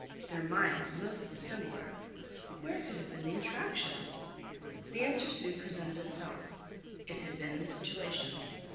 Their minds most dissimilar! Where could have been the attraction? The answer soon presented itself. It had been in situation.